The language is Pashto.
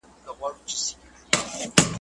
شپه او ورځ مي په خوارۍ دئ ځان وژلى `